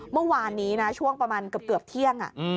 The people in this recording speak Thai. เมื่อวานนี้นะช่วงประมาณเกือบเที่ยง